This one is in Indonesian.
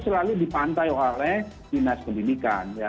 soalnya dinas pendidikan ya